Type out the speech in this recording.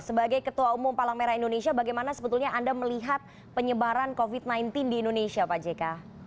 sebagai ketua umum palang merah indonesia bagaimana sebetulnya anda melihat penyebaran covid sembilan belas di indonesia pak jk